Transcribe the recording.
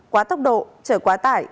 quá tốc độ trở quá tải